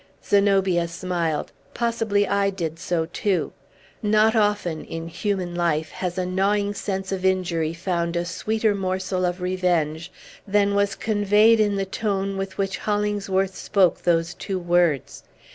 Zenobia smiled; possibly I did so too. Not often, in human life, has a gnawing sense of injury found a sweeter morsel of revenge than was conveyed in the tone with which Hollingsworth spoke those two words.